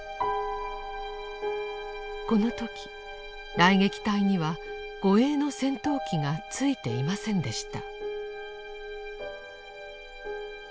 この時雷撃隊には護衛の戦闘機が付いていませんでした。